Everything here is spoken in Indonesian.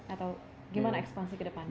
atau gimana ekspansi ke depan